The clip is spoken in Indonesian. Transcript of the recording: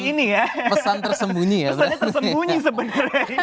ini pesan tersembunyi ya